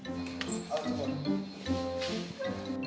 kenapa gitu neko jack